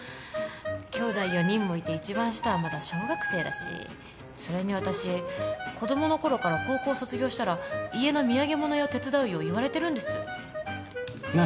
姉弟４人もいて一番下はまだ小学生だしそれに私子供の頃から高校卒業したら家の土産物屋を手伝うよう言われてるんですなあ